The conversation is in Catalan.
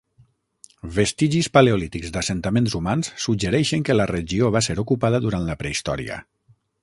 Vestigis paleolítics d"assentaments humans suggereixen que la regió va ser ocupada durant la prehistòria.